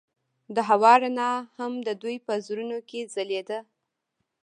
د هوا رڼا هم د دوی په زړونو کې ځلېده.